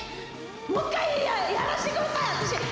もう一回やらせてください！